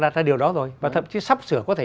đặt ra điều đó rồi và thậm chí sắp sửa có thể